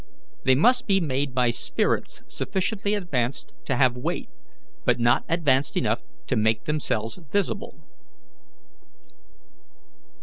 They must be made by spirits sufficiently advanced to have weight, but not advanced enough to make themselves visible."